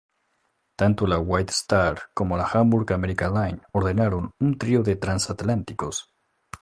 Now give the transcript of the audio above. Tanto la White Star como la Hamburg America Line ordenaron un trío de transatlánticos.